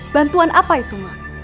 bantuan apa itu